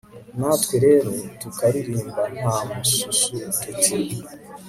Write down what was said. natwe rero tukaririmba nta mususu tuti